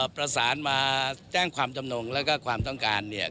ประสานมาแจ้งความจำนงแล้วก็ความต้องการเนี่ย